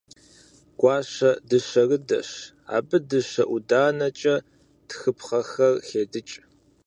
Гуащэ дыщэрыдэщ. Абы дыщэ ӏуданэкӏэ тхыпхъэхэр хедыкӏ.